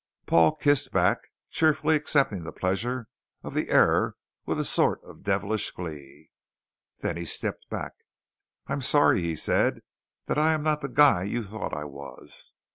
Paul kissed back, cheerfully accepting the pleasure of the error with a sort of devilish glee. Then he stepped back. "I'm sorry," he said, "that I am not the guy you thought I was."